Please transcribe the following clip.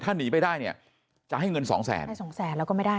ถ้าหนีไปได้เนี่ยจะให้เงินสองแสนให้สองแสนแล้วก็ไม่ได้